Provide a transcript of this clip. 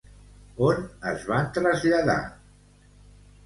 On es van traslladar?